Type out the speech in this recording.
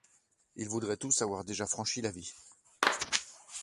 Ils voudraient tous avoir déjà franchi la vie